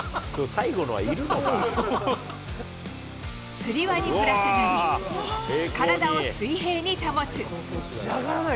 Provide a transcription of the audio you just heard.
つり輪にぶら下がり、体を水平に保つ。